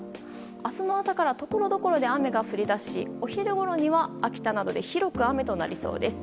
明日の朝からところどころで雨が降り出しお昼ごろには、秋田などで広く雨となりそうです。